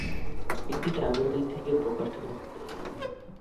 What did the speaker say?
এটি টাঙ্গাইল থেকে প্রকাশিত হতো।